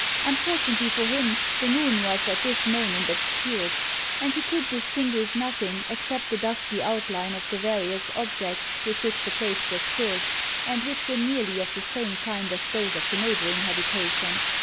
Unfortunately for him, the moon was at this moment obscured, and he could distinguish nothing except the dusky outline of the various objects with which the place was filled, and which were nearly of the same kind as those of the neighbouring habitation.